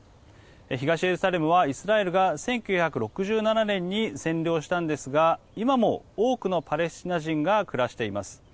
東エルサレムはイスラエルが１９６７年に占領したんですが今も、多くのパレスチナ人が暮らしています。